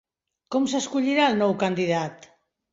Com s'escollirà el nou candidat?